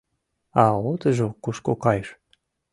— А отыжо кушко кайыш?